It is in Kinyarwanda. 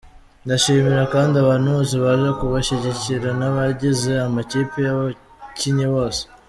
Ndashimira kandi abantu bose baje kubashyigikira n’abagize amakipe yakinnye bose.